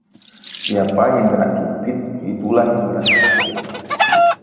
Siapa yang kena cubit, itulah yang merasa sakit